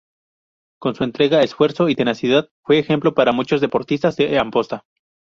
Con su entrega, esfuerzo y tenacidad fue ejemplo para muchos deportistas de Amposta.